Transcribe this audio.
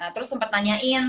terus sempet nanyain